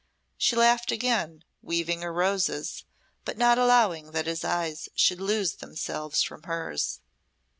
She laughed again, weaving her roses, but not allowing that his eyes should loose themselves from hers.